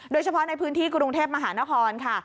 โดยเฉพาะในพื้นที่กรุงเทพมหานครค่ะ